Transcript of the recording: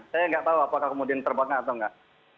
saya nggak tahu apakah kemudian terbangnya atau nggak